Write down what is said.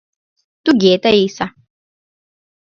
Туге, Таиса.